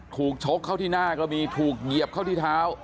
ชกเข้าที่หน้าก็มีถูกเหยียบเข้าที่เท้า